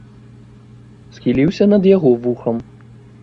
Схіліўся над яго вухам.